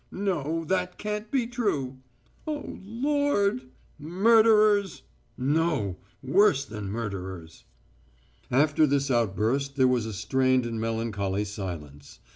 "No, that can't be true!" "O Lord!" "Murderers!" "No, worse than murderers!" After this outburst there was a strained and melancholy silence.